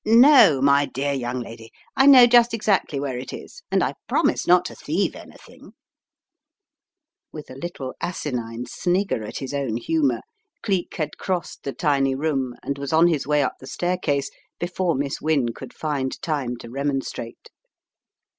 "No, m/ dear young lady, I know just exactly where it is and I promise not to thieve anything " With a little asinine snigger at his own humour, Cleek had crossed the tiny room and was on his way up the staircase before Miss Wynne could find time to remonstrate.